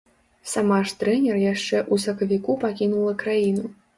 Сама ж трэнер яшчэ ў сакавіку пакінула краіну.